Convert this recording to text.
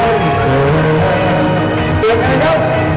ขอบคุณทุกเรื่องราว